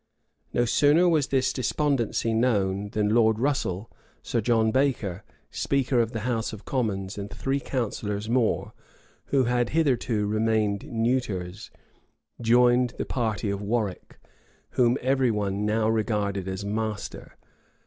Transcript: No sooner was this despondency known, than Lord Russell, Sir John Baker, speaker of the house of commons, and three counsellors more, who had hitherto remained neuters, joined the party of Warwick, whom every one now regarded as master.